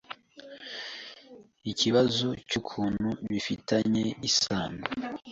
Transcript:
ikibazo cyukuntu "bifitanye isano